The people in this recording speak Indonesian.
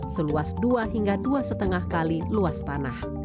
seluas dua hingga dua lima kali luas tanah